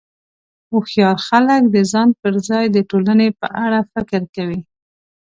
هوښیار خلک د ځان پر ځای د ټولنې په اړه فکر کوي.